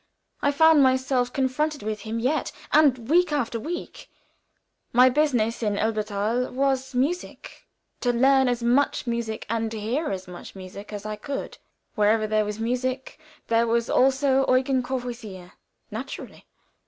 I found myself confronted with him yet, and week after week. My business in Elberthal was music to learn as much music and hear as much music as I could: wherever there was music there was also Eugen Courvoisier naturally.